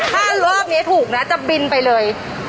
ถ้ารอบนี้ถูกนะจะบินไปเลย